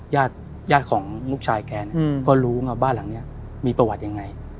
ญาติของลูกชายแกก็รู้ว่าบ้านหลังนี้มีประวัติอย่างไร